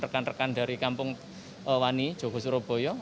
dengan rekan dari kampung wani jogosuraboyo